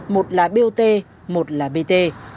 một là bot một là bt